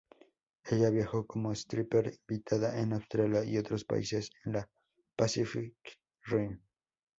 Ella viajó como stripper invitada en Australia y otros países en el Pacific Rim.